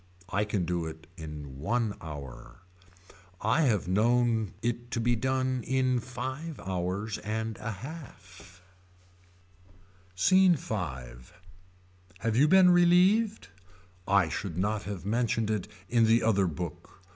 I can do it in one hour. I have known it to be done in five hours and a half SCENE V. Have you been relieved. I should not have mentioned it in the other book.